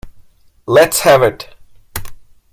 Let's have it.